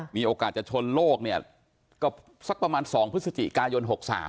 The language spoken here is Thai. มีโอกาสจะชนโลกเนี่ยก็สักประมาณ๒พฤศจิกายน๖๓